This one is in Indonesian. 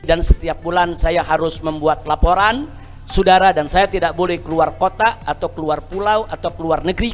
dan setiap bulan saya harus membuat laporan saudara dan saya tidak boleh keluar kota atau keluar pulau atau keluar negeri